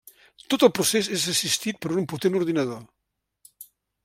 Tot el procés és assistit per un potent ordinador.